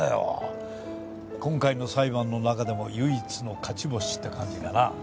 今回の裁判の中でも唯一の勝ち星って感じだな。